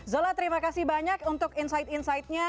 zola terima kasih banyak untuk insight insightnya